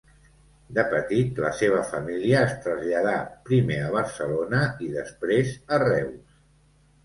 De petit la seva família es traslladà primer a Barcelona i després a Reus.